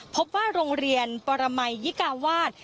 พบว่าโรงเรียนปรมัยยิกาวาส